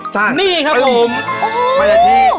ใช่นี่ครับผมมันอาทิตย์โอ้โฮ